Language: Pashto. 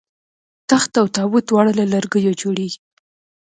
تخت او تابوت دواړه له لرګیو جوړیږي